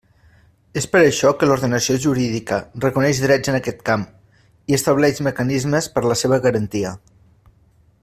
És per això que l'ordenació jurídica reconeix drets en aquest camp i estableix mecanismes per la seva garantia.